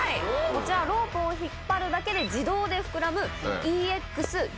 こちらロープを引っ張るだけで自動で膨らむ。